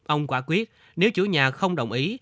ông quả quyết nếu chủ nhà không đồng ý